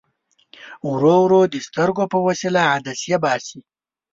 ورو ورو د سترګو په وسیله عدسیه باسي.